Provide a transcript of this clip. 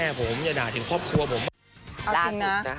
เอาจริงนะ